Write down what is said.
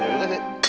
ya udah sih